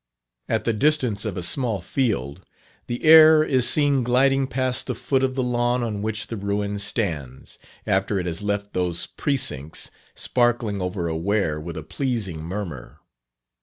At the distance of a small field, the Aire is seen gliding past the foot of the lawn on which the ruin stands, after it has left those precincts, sparkling over a weir with a pleasing murmur.